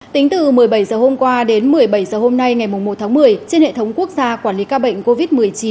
tính từ một mươi bảy h hôm qua đến một mươi bảy h hôm nay ngày một tháng một mươi trên hệ thống quốc gia quản lý ca bệnh covid một mươi chín